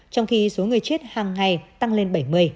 trong khi số người chết hàng ngày tăng lên bảy mươi